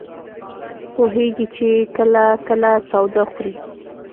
پوهېږي چې کله کله تاوده خوري.